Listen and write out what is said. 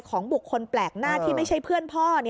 ของบุคคลแปลกหน้าที่ไม่ใช่เพื่อนพ่อ